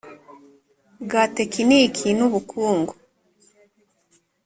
bwa tekiniki n ubukungu